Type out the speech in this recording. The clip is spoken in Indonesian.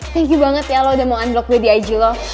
thank you banget ya lo udah mau unblock gue di ig lo